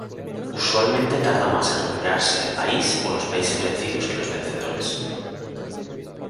Usualmente tarda más en recuperarse el país o los países vencidos que los vencedores.